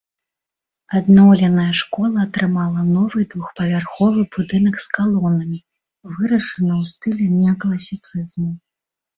Адноўленая школа атрымала новы двухпавярховы будынак з калонамі, вырашаны ў стылі неакласіцызму.